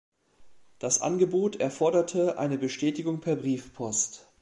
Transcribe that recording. Das Angebot erforderte eine Bestätigung per Briefpost.